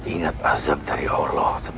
ingat azab dari allah